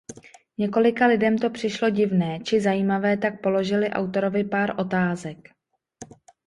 Několika lidem to přišlo divné či zajímavé tak položili autorovi pár otázek.